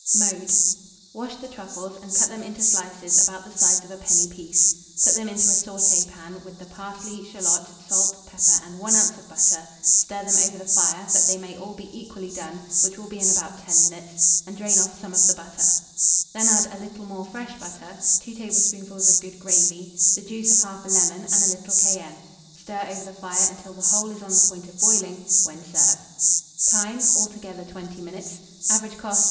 Mode. Wash the truffles and cut them into slices about the size of a penny piece; put them into a sauté pan, with the parsley, shalot, salt, pepper, and 1 oz. of butter; stir them over the fire, that they may all be equally done, which will be in about 10 minutes, and drain off some of the butter; then add a little more fresh butter, 2 tablespoonfuls of good gravy, the juice of 1/2 lemon, and a little cayenne; stir over the fire until the whole is on the point of boiling, when serve. Time. Altogether, 20 minutes. Average cost.